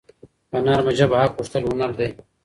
په نرمه ژبه حق غوښتل هنر دی.